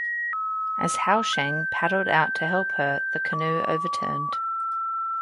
As Houshang paddled out to help her, the canoe overturned.